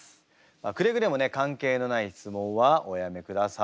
くれぐれもね関係のない質問はおやめください。